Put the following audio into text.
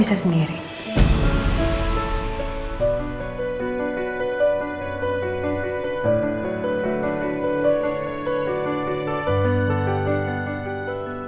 perlukahan kamu begitu hangat mas